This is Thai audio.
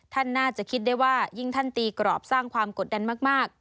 ท่านน่าจะคิดได้ว่ายิ่งท่านตีกรอบสร้างความกดดันมาก